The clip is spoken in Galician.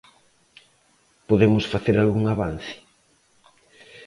Podemos facer algún avance?